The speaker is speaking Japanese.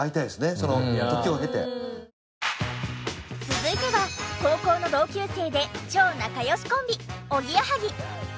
続いては高校の同級生で超仲良しコンビおぎやはぎ。